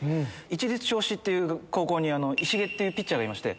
市立銚子っていう高校に石毛ってピッチャーがいまして。